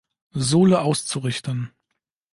Sohle auszurichten.